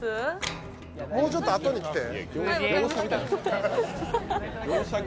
もうちょっとあとに来て。